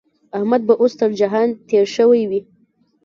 احمد به اوس تر جهان تېری شوی وي.